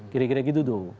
gira gira gitu tuh